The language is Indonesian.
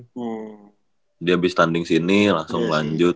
jadi abis tanding sini langsung lanjut